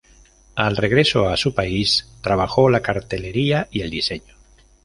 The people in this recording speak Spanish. Al regreso a su país, trabajó la cartelería y el diseño.